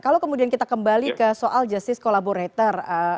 kalau kemudian kita kembali ke soal justice collaborator